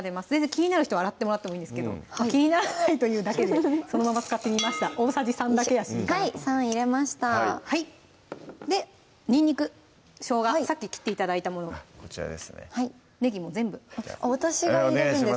気になる人は洗ってもらってもいいんですけど気にならないというだけでそのまま使ってみました大さじ３だけやしはい３入れましたにんにく・しょうがさっき切って頂いたものねぎも全部私が入れるんですか？